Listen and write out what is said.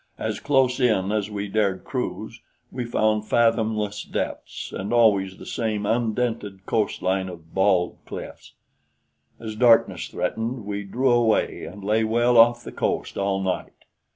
As close in as we dared cruise, we found fathomless depths, and always the same undented coastline of bald cliffs. As darkness threatened, we drew away and lay well off the coast all night.